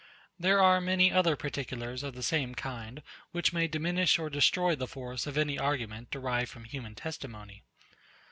There are many other particulars of the same kind, which may diminish or destroy the force of any argument, derived from human testimony.